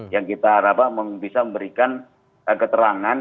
yang kita harapkan bisa memberikan keterangan